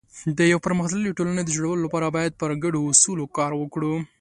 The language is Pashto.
د یو پرمختللي ټولنې د جوړولو لپاره باید پر ګډو اصولو کار وکړو.